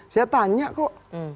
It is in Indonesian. saya tanya kok